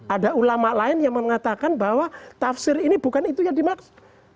ada ulama lain yang mengatakan bahwa tafsir ini bukan itu yang dimaksud